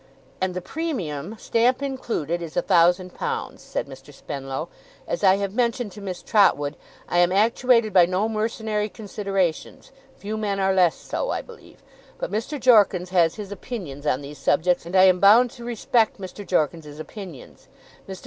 'And the premium, Stamp included, is a thousand pounds,' said Mr. Spenlow. 'As I have mentioned to Miss Trotwood, I am actuated by no mercenary considerations; few men are less so, I believe; but Mr. Jorkins has his opinions on these subjects, and I am bound to respect Mr. Jorkins's opinions. Mr.